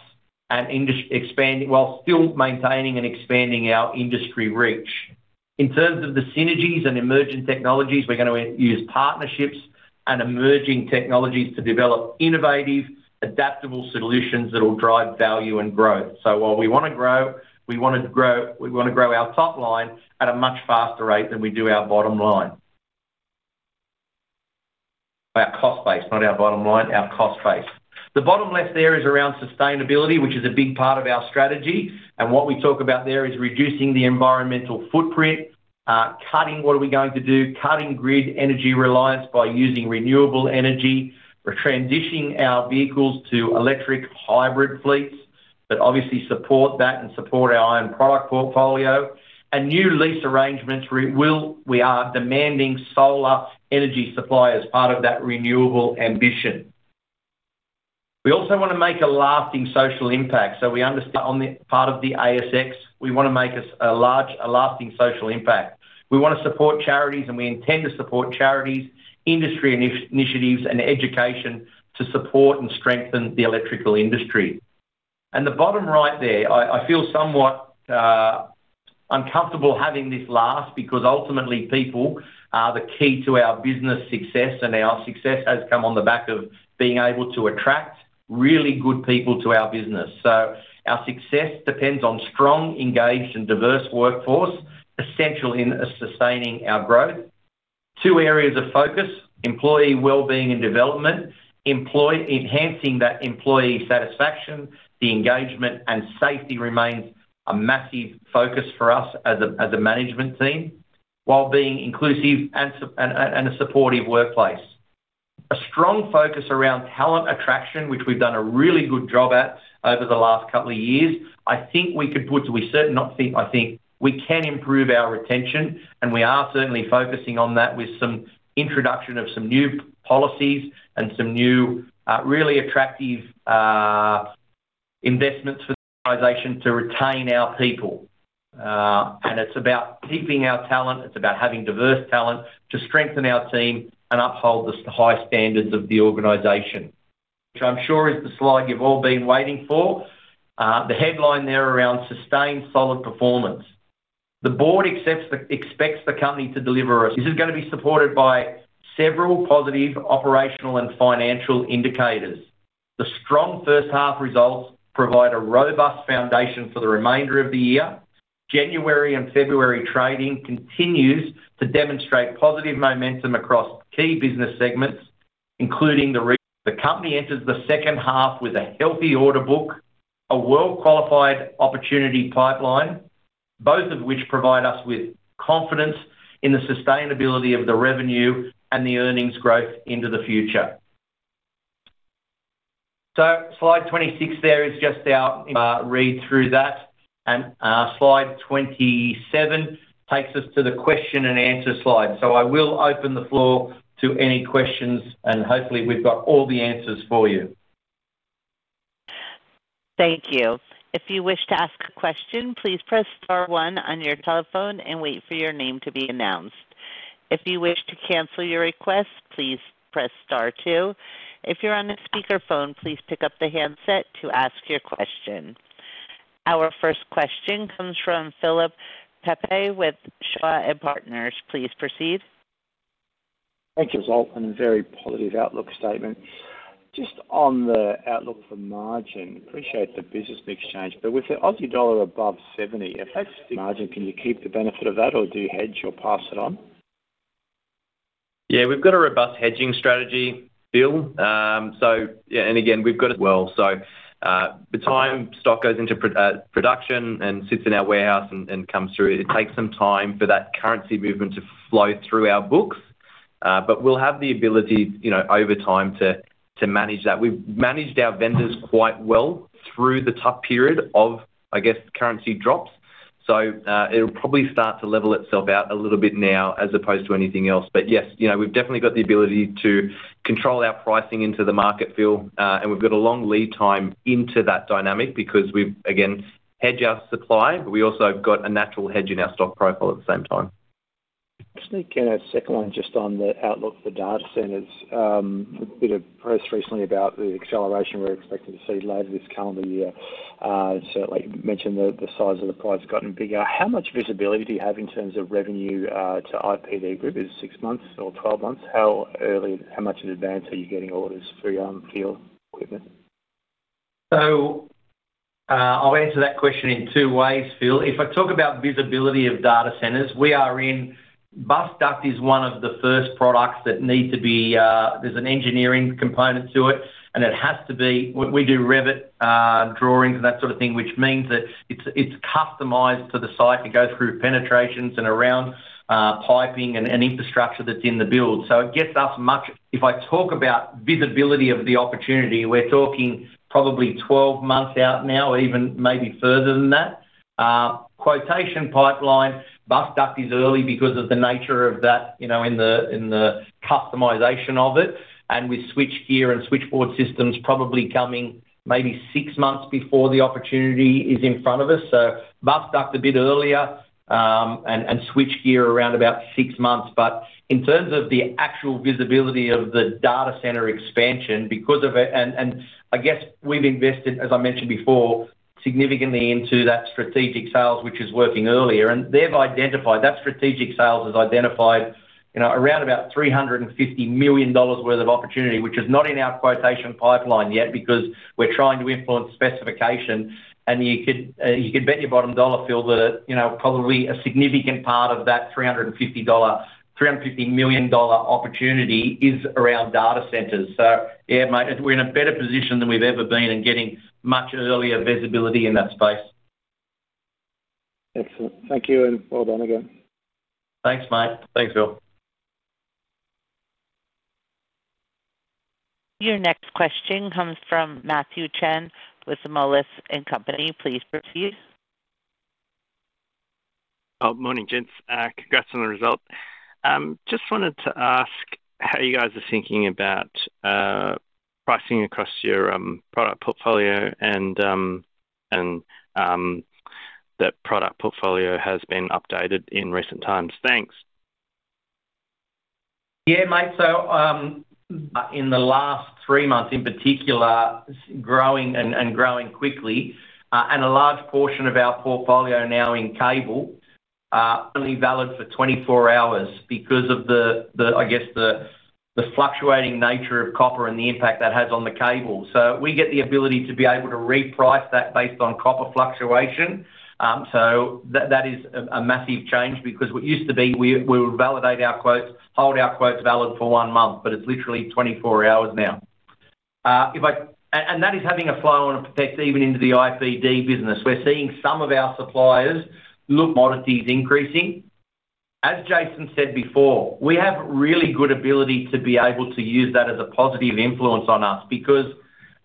and expanding, while still maintaining and expanding our industry reach. In terms of the synergies and emerging technologies, we're gonna use partnerships and emerging technologies to develop innovative, adaptable solutions that will drive value and growth. While we wanna grow, we wanna grow our top line at a much faster rate than we do our bottom line. Our cost base, not our bottom line, our cost base. The bottom left there is around sustainability, which is a big part of our strategy. What we talk about there is reducing the environmental footprint, cutting what are we going to do? Cutting grid energy reliance by using renewable energy. We're transitioning our vehicles to electric hybrid fleets that obviously support that and support our own product portfolio. A new lease arrangements we are demanding solar energy supply as part of that renewable ambition. We also wanna make a lasting social impact. We understand on the part of the ASX, we wanna make a large, a lasting social impact. We wanna support charities, we intend to support charities, industry initiatives, and education to support and strengthen the electrical industry. The bottom right there, I feel somewhat uncomfortable having this last because ultimately, people are the key to our business success, and our success has come on the back of being able to attract really good people to our business. Our success depends on strong, engaged, and diverse workforce, essential in sustaining our growth. Two areas of focus, employee well-being and development, employ enhancing that employee satisfaction, the engagement and safety remains a massive focus for us as a, as a management team, while being inclusive and a supportive workplace. A strong focus around talent attraction, which we've done a really good job at over the last couple of years. I think we could put, we certain, not think, I think we can improve our retention, and we are certainly focusing on that with some introduction of some new policies and some new, really attractive investments for the organization to retain our people. It's about keeping our talent, it's about having diverse talent to strengthen our team and uphold the high standards of the organization. Which I'm sure is the slide you've all been waiting for. The headline there around sustained solid performance. The board expects the company to deliver. This is going to be supported by several positive operational and financial indicators. The strong first half results provide a robust foundation for the remainder of the year. January and February trading continues to demonstrate positive momentum across key business segments, including the. The company enters the second half with a healthy order book, a well-qualified opportunity pipeline, both of which provide us with confidence in the sustainability of the revenue and the earnings growth into the future. Slide 26 there is just our read through that, and slide 27 takes us to the question and answer slide. I will open the floor to any questions, and hopefully, we've got all the answers for you. Thank you. If you wish to ask a question, please press star one on your telephone and wait for your name to be announced. If you wish to cancel your request, please press star two. If you're on a speakerphone, please pick up the handset to ask your question. Our first question comes from Philip Pepe with Shaw and Partners. Please proceed. Thank you, result, and a very positive outlook statement. Just on the outlook for margin, appreciate the business mix change, with the Aussie dollar above 70, if that's the margin, can you keep the benefit of that, or do you hedge or pass it on? Yeah, we've got a robust hedging strategy, Phil. We've got it well. The time stock goes into production and sits in our warehouse and, and comes through it, it takes some time for that currency movement to flow through our books. We'll have the ability, you know, over time to, to manage that. We've managed our vendors quite well through the tough period of, I guess, currency drops. It'll probably start to level itself out a little bit now as opposed to anything else. We've definitely got the ability to control our pricing into the market, Phil, and we've got a long lead time into that dynamic because we've, again, hedged our supply, but we also have got a natural hedge in our stock profile at the same time. Just sneak in a second one just on the outlook for data centers. A bit of press recently about the acceleration we're expecting to see later this calendar year. Certainly, you mentioned the, the size of the price has gotten bigger. How much visibility do you have in terms of revenue, to IPD Group? Is it six months or 12 months? How much in advance are you getting orders for, field equipment? I'll answer that question in two ways, Phil. If I talk about visibility of data centers, we are in, Bus Duct is one of the first products that need to be, there's an engineering component to it, and we do Revit drawings and that sort of thing, which means that it's customized to the site. It goes through penetrations and around piping and infrastructure that's in the build. It gets us much... If I talk about visibility of the opportunity, we're talking probably 12 months out now, or even maybe further than that. Quotation pipeline, Bus Duct is early because of the nature of that, you know, in the customization of it, and with switchgear and switchboard systems probably coming maybe 6 months before the opportunity is in front of us. Bus Duct a bit earlier, and switchgear around six months. In terms of the actual visibility of the data center expansion, because of it - and I guess we've invested, as I mentioned before, significantly into that strategic sales, which is working earlier, and they've identified, that strategic sales has identified, you know, around 350 million dollars worth of opportunity, which is not in our quotation pipeline yet because we're trying to influence specification. You could bet your bottom dollar, Phil, that, you know, probably a significant part of that 350 million dollar opportunity is around data centers. Yeah, mate, we're in a better position than we've ever been in getting much earlier visibility in that space. Excellent. Thank you, and well done again. Thanks, mate. Thanks, Phil. Your next question comes from Matthew Chen with the Moelis & Company. Please proceed. Morning, gents. Congrats on the result. Just wanted to ask how you guys are thinking about pricing across your product portfolio and that product portfolio has been updated in recent times. Thanks. Yeah, mate. In the last three months, in particular, growing and growing quickly, and a large portion of our portfolio now in cable, only valid for 24 hours because of the, the, I guess, the, the fluctuating nature of copper and the impact that has on the cable. We get the ability to be able to reprice that based on copper fluctuation. That, that is a massive change because we used to be, we would validate our quotes, hold our quotes valid for one month, but it's literally 24 hours now. That is having a flow-on effect even into the IPD business. We're seeing some of our suppliers look- commodity is increasing. As Jason said before, we have really good ability to be able to use that as a positive influence on us because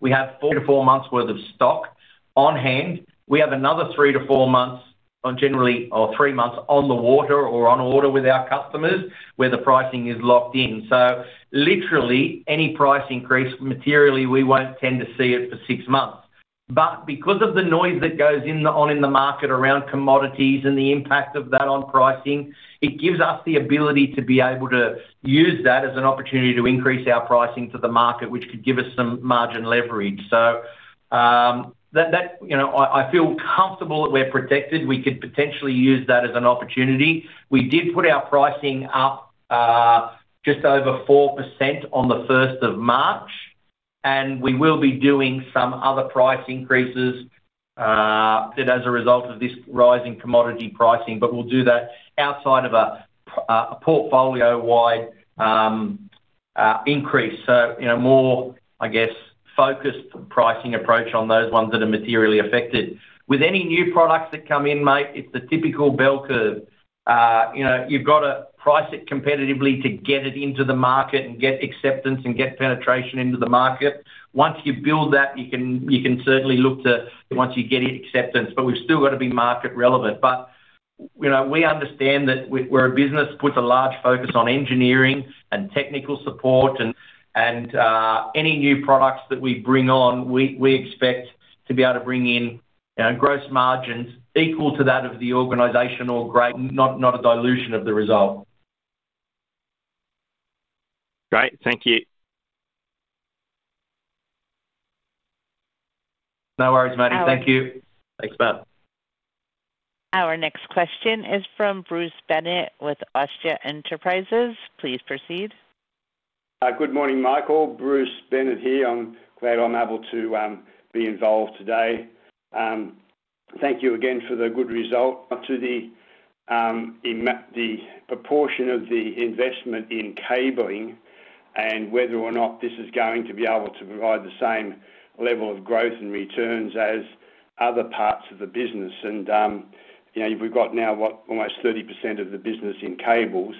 we have 4 to 4 months worth of stock on hand. We have another three to four months on generally, or three months on the water or on order with our customers, where the pricing is locked in. Literally, any price increase, materially, we won't tend to see it for six months. Because of the noise that goes in the market around commodities and the impact of that on pricing, it gives us the ability to be able to use that as an opportunity to increase our pricing to the market, which could give us some margin leverage. That, you know, I, I feel comfortable that we're protected. We could potentially use that as an opportunity. We did put our pricing up, just over 4% on the 1st of March, and we will be doing some other price increases that as a result of this rising commodity pricing, but we'll do that outside of a portfolio-wide increase. You know, more, I guess, focused pricing approach on those ones that are materially affected. With any new products that come in, mate, it's the typical bell curve. You know, you've got to price it competitively to get it into the market and get acceptance and get penetration into the market. Once you build that, you can, you can certainly look to once you get it acceptance, but we've still got to be market-relevant. You know, we understand that we're a business, puts a large focus on engineering and technical support, and, and, any new products that we bring on, we, we expect to be able to bring in, you know, gross margins equal to that of the organization or great, not, not a dilution of the result. Great. Thank you. No worries, Matthew. Thank you. Thanks, Matt. Our next question is from Bruce Bennett with [Austria Enterprises]. Please proceed.... good morning, Michael. Bruce Bennett here. I'm glad I'm able to be involved today. Thank you again for the good result. Up to the proportion of the investment in cabling and whether or not this is going to be able to provide the same level of growth and returns as other parts of the business. You know, we've got now, what? Almost 30% of the business in cables.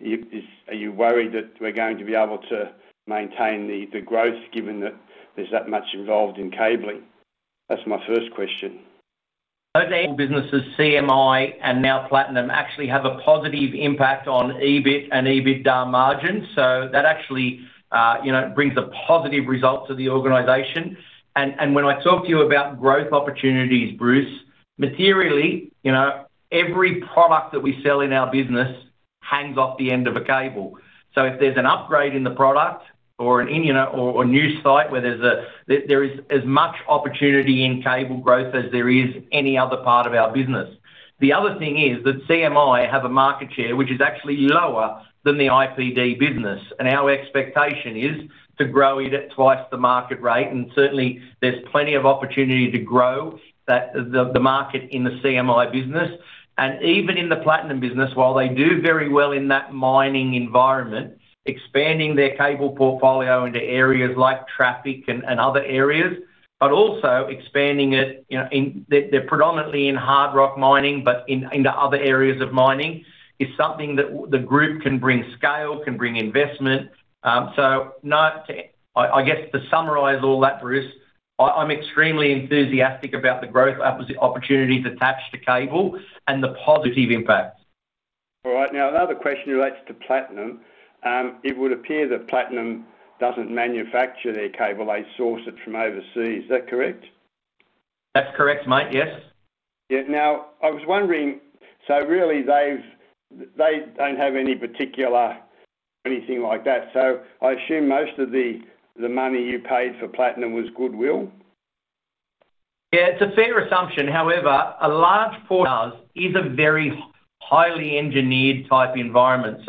Is, are you worried that we're going to be able to maintain the, the growth, given that there's that much involved in cabling? That's my first question. The businesses, CMI and now Platinum, actually have a positive impact on EBIT and EBITDA margins. That actually, you know, brings a positive result to the organization. When I talk to you about growth opportunities, Bruce, materially, you know, every product that we sell in our business hangs off the end of a cable. If there's an upgrade in the product or an in, you know, or a new site where there is as much opportunity in cable growth as there is any other part of our business. The other thing is that CMI have a market share, which is actually lower than the IPD business, and our expectation is to grow it at twice the market rate. Certainly, there's plenty of opportunity to grow that the market in the CMI business. Even in the Platinum business, while they do very well in that mining environment, expanding their cable portfolio into areas like traffic and, and other areas, but also expanding it, you know, they're predominantly in hard rock mining, but into other areas of mining, is something that the group can bring scale, can bring investment. No, I guess to summarize all that, Bruce, I'm extremely enthusiastic about the growth opportunities attached to cable and the positive impact. All right. Another question relates to Platinum. It would appear that Platinum doesn't manufacture their cable, they source it from overseas. Is that correct? That's correct, mate. Yes. Yeah. I was wondering, so really, they don't have any particular, anything like that. I assume most of the money you paid for Platinum was goodwill? Yeah, it's a fair assumption. However, a large portion of ours is a very highly engineered type environment.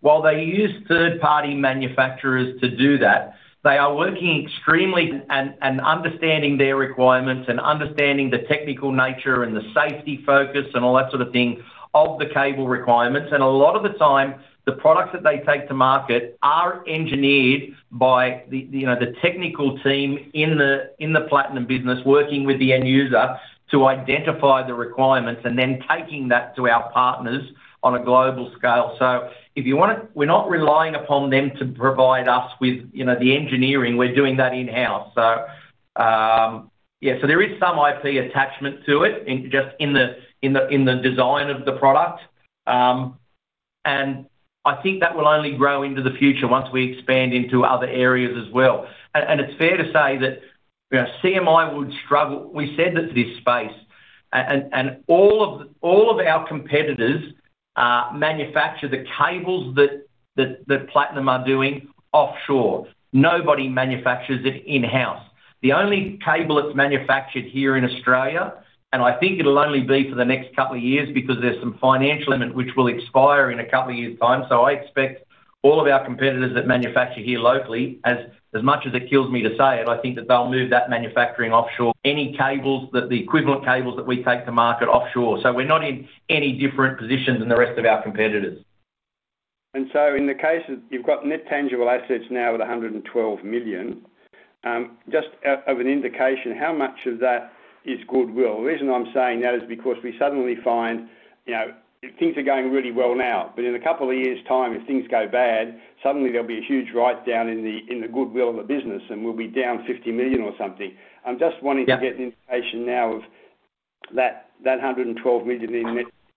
While they use third-party manufacturers to do that, they are working extremely and, and understanding their requirements, and understanding the technical nature, and the safety focus, and all that sort of thing of the cable requirements. A lot of the time, the products that they take to market are engineered by the, you know, the technical team in the, in the Platinum business, working with the end user to identify the requirements, and then taking that to our partners on a global scale. We're not relying upon them to provide us with, you know, the engineering. We're doing that in-house. Yeah, there is some IP attachment to it, in, just in the, in the, in the design of the product. I think that will only grow into the future once we expand into other areas as well. It's fair to say that, you know, CMI would struggle. We said that to this space, and all of our competitors manufacture the cables that Platinum are doing offshore. Nobody manufactures it in-house. The only cable that's manufactured here in Australia, and I think it'll only be for the next two years because there's some financial limit which will expire in two years' time. I expect all of our competitors that manufacture here locally, as much as it kills me to say it, I think that they'll move that manufacturing offshore. Any cables, the equivalent cables that we take to market offshore, so we're not in any different positions than the rest of our competitors. In the case of... You've got net tangible assets now at 112 million. Just out of an indication, how much of that is goodwill? The reason I'm saying that is because we suddenly find, you know, things are going really well now, but in a couple of years' time, if things go bad, suddenly there'll be a huge write-down in the, in the goodwill of the business, and we'll be down 50 million or something. Yeah. I'm just wanting to get the indication now of that, that 112 million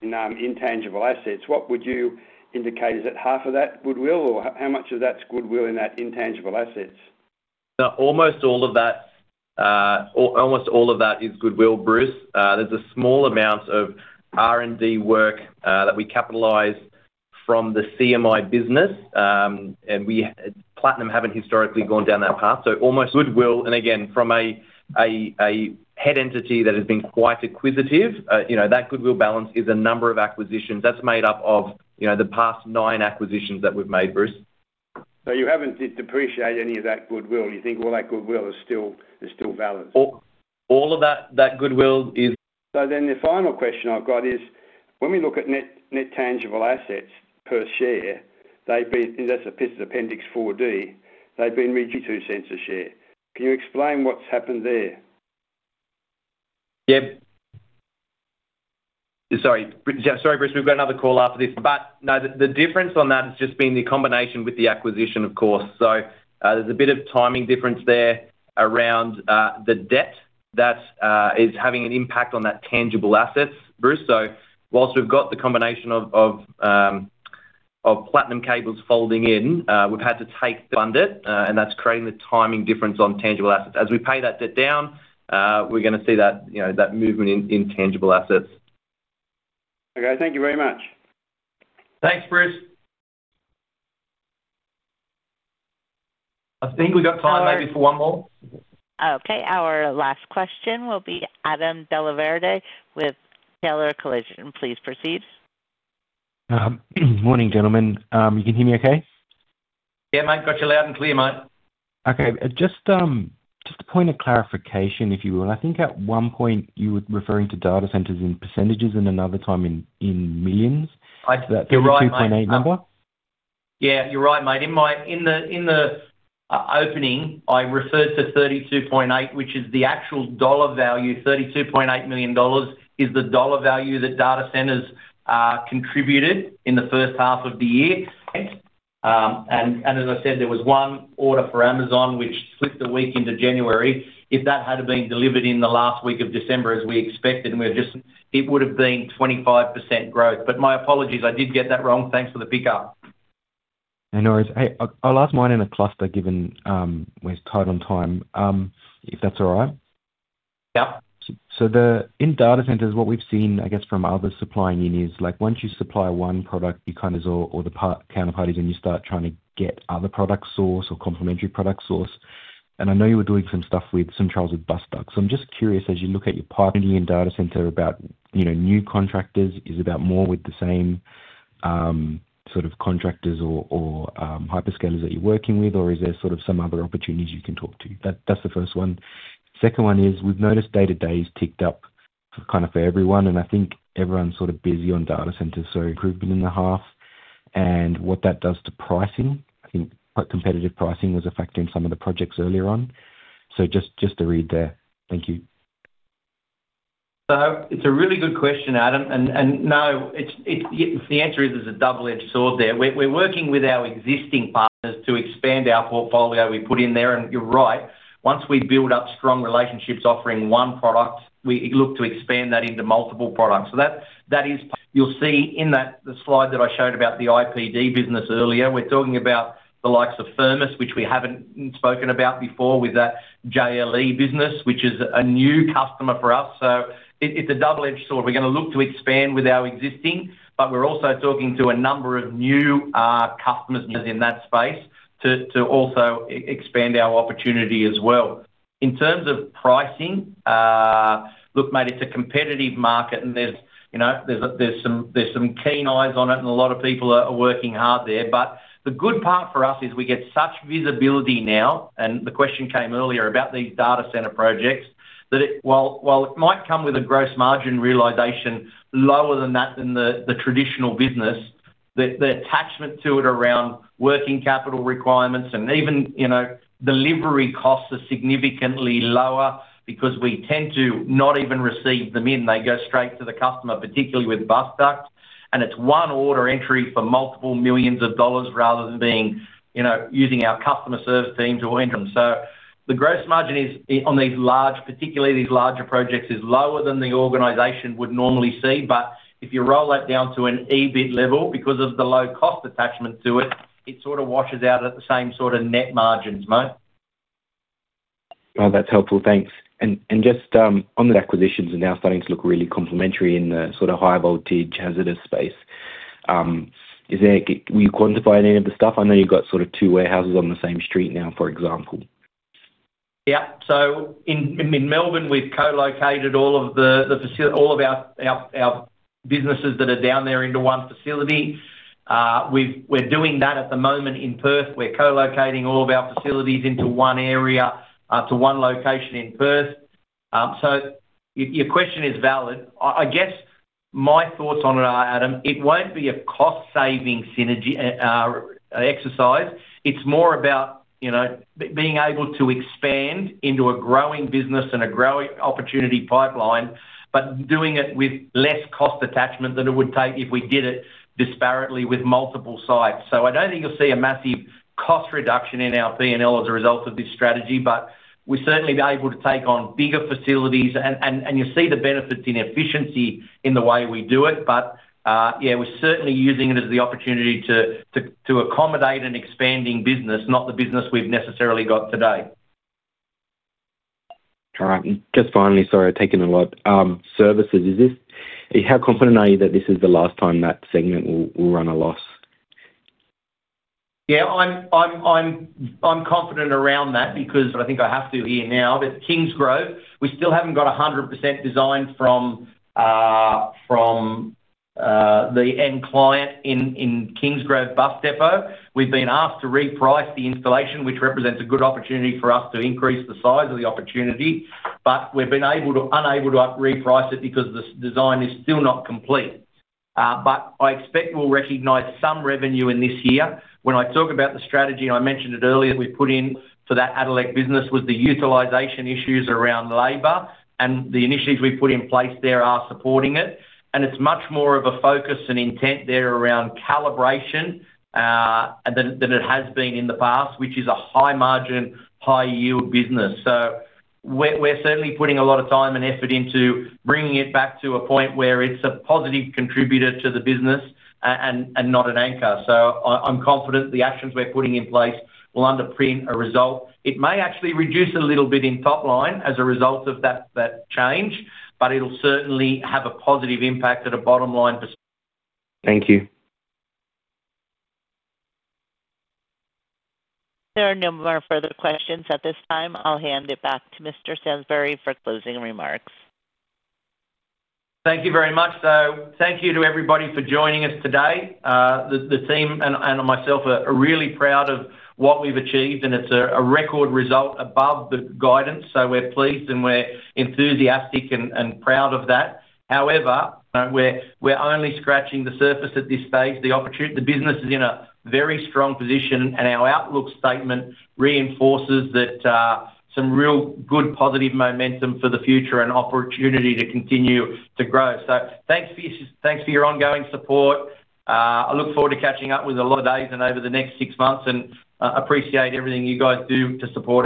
in intangible assets. What would you indicate? Is it half of that goodwill, or how much of that's goodwill in that intangible assets? Now, almost all of that, almost all of that is goodwill, Bruce. There's a small amount of R&D work that we capitalize from the CMI business. We, Platinum haven't historically gone down that path, so almost goodwill. Again, from a head entity that has been quite acquisitive, you know, that goodwill balance is a number of acquisitions. That's made up of, you know, the past nine acquisitions that we've made, Bruce. You haven't depreciated any of that goodwill. You think all that goodwill is still valid? All of that goodwill is- The final question I've got is, when we look at net tangible assets per share, that's a piece of Appendix 4D, they've been reaching 0.02 a share. Can you explain what's happened there? Yeah. Sorry, Bruce Bennett. We've got another call after this, no, the, the difference on that has just been the combination with the acquisition, of course. There's a bit of timing difference there around the debt that is having an impact on that tangible assets, Bruce Bennett. Whilst we've got the combination of, of Platinum Cables folding in, we've had to take fund it, and that's creating the timing difference on tangible assets. As we pay that debt down, we're going to see that, you know, that movement in, in tangible assets. Okay. Thank you very much. Thanks, Bruce!... I think we've got time maybe for one more? Okay, our last question will be Adam Dellaverde with Taylor Collison. Please proceed. Morning, gentlemen. You can hear me okay? Yeah, mate, got you loud and clear, mate. Okay. Just, just a point of clarification, if you will. I think at one point you were referring to data centers in % and another time in, in millions. You're right, mate. 32.8 number. Yeah, you're right, mate. In the opening, I referred to 32.8, which is the actual dollar value. 32.8 million dollars is the dollar value that data centers contributed in the first half of the year. As I said, there was one order for Amazon, which slipped a week into January. If that had been delivered in the last week of December as we expected, it would have been 25% growth. My apologies, I did get that wrong. Thanks for the pickup. No worries. Hey, I'll, I'll ask mine in a cluster, given, we're tight on time, if that's all right? Yeah. In data centers, what we've seen, I guess, from other supplying units, like, once you supply one product, you kind of saw all the counterparties, and you start trying to get other products sourced or complementary product sourced. I know you were doing some stuff with some trials with Bus Duct. I'm just curious, as you look at your partnering in data center about, you know, new contractors, is about more with the same sort of contractors or hyperscalers that you're working with, or is there sort of some other opportunities you can talk to? That's the first one. Second one is, we've noticed day-to-day is ticked up kind of for everyone, and I think everyone's sort of busy on data centers, improvement in the half and what that does to pricing. I think quite competitive pricing was affecting some of the projects earlier on. Just to read there. Thank you. It's a really good question, Adam, and no, it's the answer is, it's a double-edged sword there. We're working with our existing partners to expand our portfolio. We put in there, and you're right, once we build up strong relationships offering one product, we look to expand that into multiple products. That is. You'll see in that, the slide that I showed about the IPD business earlier, we're talking about the likes of Firmus, which we haven't spoken about before, with that JLE business, which is a new customer for us. It's a double-edged sword. We're gonna look to expand with our existing, but we're also talking to a number of new customers in that space to also expand our opportunity as well. In terms of pricing, look, mate, it's a competitive market, and there's, you know, there's, there's some, there's some keen eyes on it, and a lot of people are, are working hard there. The good part for us is we get such visibility now, and the question came earlier about these data center projects, that it, while, while it might come with a gross margin realization lower than that than the, the traditional business, the, the attachment to it around working capital requirements and even, you know, delivery costs are significantly lower because we tend to not even receive them in. They go straight to the customer, particularly with Bus Duct, and it's one order entry for multiple millions of AUD, rather than being, you know, using our customer service teams or entrance. The gross margin is, on these large, particularly these larger projects, is lower than the organization would normally see. If you roll that down to an EBIT level, because of the low cost attachment to it, it sort of washes out at the same sort of net margins, mate. Well, that's helpful. Thanks. Just on the acquisitions are now starting to look really complementary in the sort of high voltage, hazardous space. Will you quantify any of the stuff? I know you've got sort of two warehouses on the same street now, for example. Yeah. In, in Melbourne, we've co-located all of our, our, our businesses that are down there into one facility. We're doing that at the moment in Perth. We're co-locating all of our facilities into one area to one location in Perth. Your, your question is valid. I, I guess my thoughts on it are, Adam, it won't be a cost-saving synergy exercise. It's more about, you know, being able to expand into a growing business and a growing opportunity pipeline, but doing it with less cost attachment than it would take if we did it disparately with multiple sites. I don't think you'll see a massive cost reduction in our P&L as a result of this strategy, but we'll certainly be able to take on bigger facilities, and you'll see the benefits in efficiency in the way we do it. Yeah, we're certainly using it as the opportunity to accommodate an expanding business, not the business we've necessarily got today. All right. Just finally, sorry, I've taken a lot, services, How confident are you that this is the last time that segment will, will run a loss? Yeah, I'm confident around that because I think I have to here now. Kingsgrove, we still haven't got 100% design from the end client in Kingsgrove bus depot. We've been asked to reprice the installation, which represents a good opportunity for us to increase the size of the opportunity. We've been unable to reprice it because the design is still not complete. I expect we'll recognize some revenue in this year. When I talk about the strategy, and I mentioned it earlier, we put in for that Addelec business, with the utilization issues around labor, and the initiatives we've put in place there are supporting it. It's much more of a focus and intent there around calibration than it has been in the past, which is a high-margin, high-yield business. We're, we're certainly putting a lot of time and effort into bringing it back to a point where it's a positive contributor to the business and, and not an anchor. I, I'm confident the actions we're putting in place will underpin a result. It may actually reduce a little bit in top line as a result of that, that change, but it'll certainly have a positive impact at a bottom line. Thank you. There are no more further questions at this time. I'll hand it back to Mr. Sainsbury for closing remarks. Thank you very much. Thank you to everybody for joining us today. The team and myself are really proud of what we've achieved, and it's a record result above the guidance, so we're pleased, and we're enthusiastic and proud of that. However, we're only scratching the surface at this stage. The business is in a very strong position, and our outlook statement reinforces that, some real good, positive momentum for the future and opportunity to continue to grow. Thanks for, thanks for your ongoing support. I look forward to catching up with a lot of days and over the next 6 months, and appreciate everything you guys do to support us.